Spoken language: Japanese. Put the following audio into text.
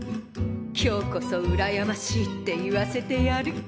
今日こそ「うらやましい」って言わせてやる。